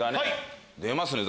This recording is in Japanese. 出ますね！